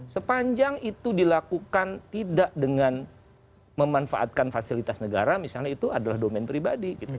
sepanjang itu dilakukan tidak dengan memanfaatkan fasilitas negara misalnya itu adalah domain pribadi gitu